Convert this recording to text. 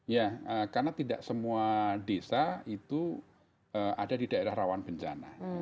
ya karena tidak semua desa itu ada di daerah rawan bencana